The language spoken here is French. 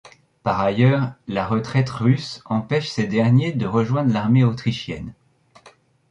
Par ailleurs, la retraite russe empêche ces derniers de rejoindre l'armée autrichienne.